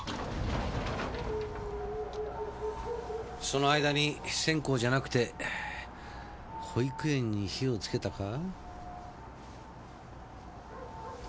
その間に線香じゃなくて保育園に火をつけたか？